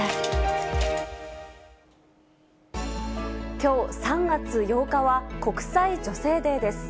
きょう３月８日は、国際女性デーです。